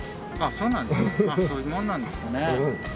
そういうもんなんですかね。